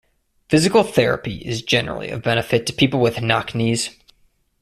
Physical therapy is generally of benefit to people with knock knees.